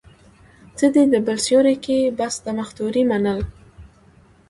څه دي د بل سيوري کې، بس د مختورۍ منل